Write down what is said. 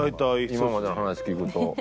今までの話聞くと。